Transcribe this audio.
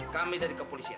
kami dari kepolisian